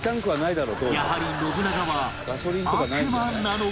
やはり信長は悪魔なのか？